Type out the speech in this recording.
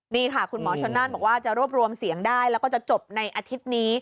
นี่ค่ะคุณหมอชนนั่นบอกว่าจะรวบรวมเสียงได้แล้วก็จะจบในอาทิตย์นี้